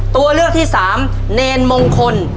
ตัวเลือกที่สามเนรมงคล